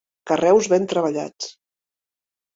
Carreus ben treballats.